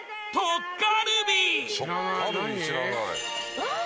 うわ！